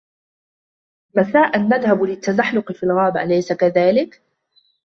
مساءًا نذهب للتزحلق في الغابة ، أليس كذلك ؟